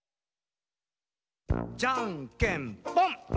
じゃんけんぽん。